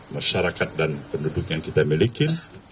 masyarakat dan penduduk yang kita miliki